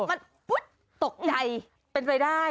มันตกใจเป็นไปได้